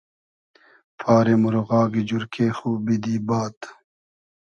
پاری مورغاگی جورکې خو بیدی باد